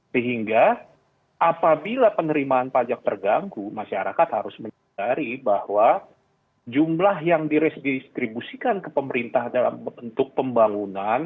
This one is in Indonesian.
sehingga apabila penerimaan pajak terganggu masyarakat harus menyadari bahwa jumlah yang diresdistribusikan ke pemerintah dalam bentuk pembangunan